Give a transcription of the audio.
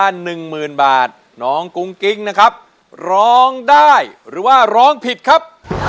น้องกุ้งกิ๊งนะครับร้องได้หรือว่าร้องผิดครับ